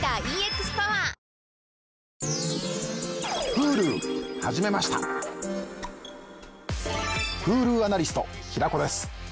Ｈｕｌｕアナリスト平子です。